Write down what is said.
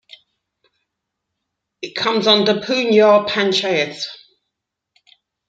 It comes under Poonjar Panchayath.